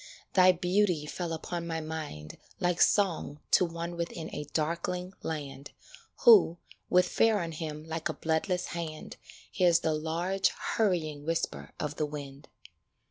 Thy beauty fell upon my mind Like song to one within a darkling land Who, with fear on him like a bloodless hand, Hears the large, hurrying whisper of the wind.